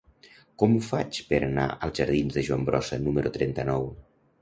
Com ho faig per anar als jardins de Joan Brossa número trenta-nou?